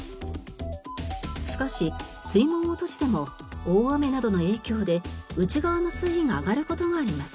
しかし水門を閉じても大雨などの影響で内側の水位が上がる事があります。